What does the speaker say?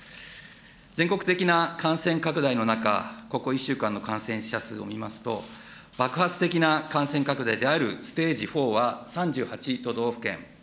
全国的な感染拡大の中、ここ１週間の感染者の数を見ますと、爆発的な感染拡大であるステージ４は３８都道府県。